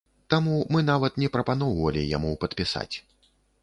Таму мы нават не прапаноўвалі яму падпісаць.